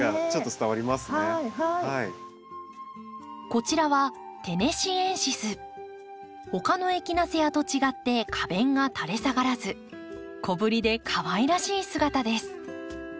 こちらは他のエキナセアと違って花弁がたれ下がらず小ぶりでかわいらしい姿です。